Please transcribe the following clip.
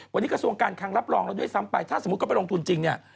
วันนี้กระทรวงการคังรับรองแล้วด้วยซ้ำไปถ้าสมมุติเขาไปลงทุนจริงเนี่ย